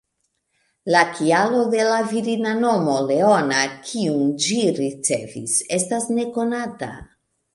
La kialo de la virina nomo, ""Leona"", kiun ĝi ricevis, estas nekonata.